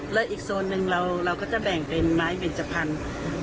และอีกโซนหนึ่งเราก็จะแบ่งเป็นไม้เบนจพันธุ์